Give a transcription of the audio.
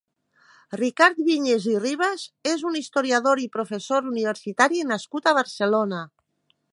Ricard Vinyes i Ribas és un historiador i professor universitari nascut a Barcelona.